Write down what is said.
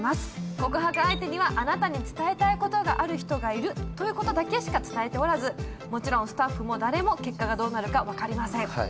告白相手には「あなたに伝えたいことがある人がいる」ということだけしか伝えておらずもちろんスタッフも誰も結果がどうなるか分かりません